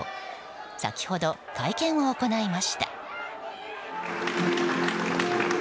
先ほど、会見を行いました。